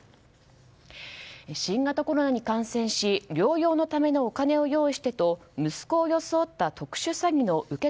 新型コロナに感染し療養のためのお金を用意してと息子を装った特殊詐欺の受け